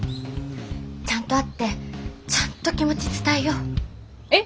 ちゃんと会ってちゃんと気持ち伝えよう。え！？